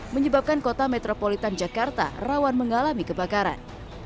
menyebabkan kota metropolitan jakarta rawan mengalami kebakaran